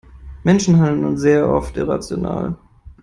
Menschen handeln sehr oft irrational.